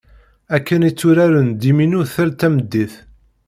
Akken i tturaren ddiminu tal tameddit.